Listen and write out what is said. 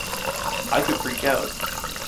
I could freak out!